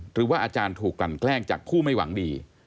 หรือว่าอาจารย์ถูกกลั่นแกล้งจากผู้ไม่หวังดี